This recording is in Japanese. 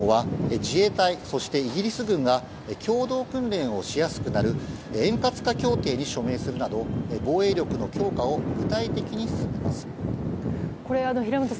そのうえで、両首脳は自衛隊、そしてイギリス軍が共同訓練をしやすくなる円滑化協定に署名するなど防衛力の強化を具体的に進めます。